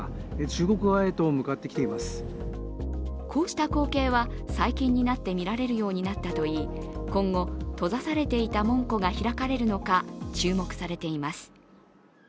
こうした光景は最近になって見られるようになったといい今後、閉ざされていた門戸が開かれるのか注目されています。